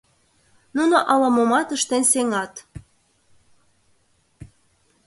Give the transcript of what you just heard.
Нуно ала-момат ыштен сеҥат.